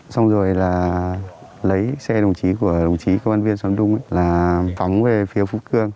xong rồi là lấy xe đồng chí của đồng chí công an viên xóm đông là phóng về phía phúc cương